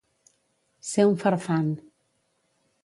Ser un farfant.